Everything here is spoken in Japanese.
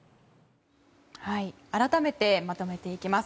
改めてまとめていきます。